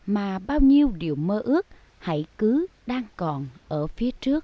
mà bao nhiêu điều mơ ước hãy cứ đang còn ở phía trước